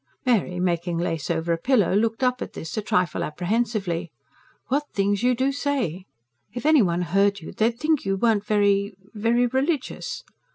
Mary, making lace over a pillow, looked up at this, a trifle apprehensively. "What things you do say! If any one heard you, they'd think you weren't very... very religious."